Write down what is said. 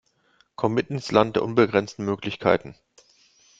Kommt mit ins Land der unbegrenzten Möglichkeiten!